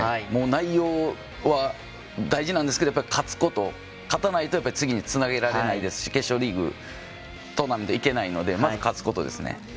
内容は大事なんですけど勝つこと、勝たないと次につなげられないですし決勝トーナメントにいけないのでまず、勝つことです。